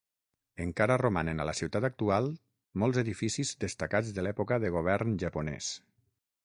Encara romanen a la ciutat actual molts edificis destacats de l'època de govern japonès.